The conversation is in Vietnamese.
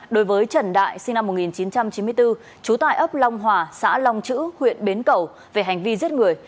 đối với trần đại sinh năm một nghìn chín trăm chín mươi bốn trú tại ấp long hòa xã long chữ huyện bến cầu về hành vi giết người